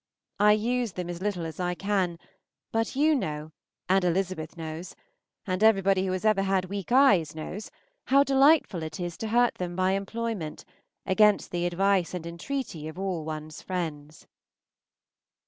I use them as little as I can, but you know, and Elizabeth knows, and everybody who ever had weak eyes knows, how delightful it is to hurt them by employment, against the advice and entreaty of all one's friends.